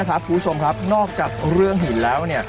คุณผู้ชมครับนอกจากเรื่องหินแล้ว